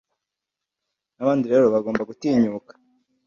n’abandi rero bagomba gutinyuka